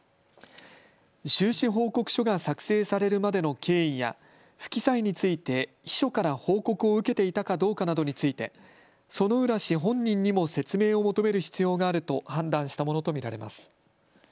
収支報告書が作成されるまでの経緯や不記載について秘書から報告を受けていたかどうかなどについて薗浦氏本人にも説明を求める必要があると判断したものと見られます。